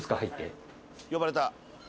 呼ばれた。